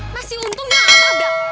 masih untung gak ada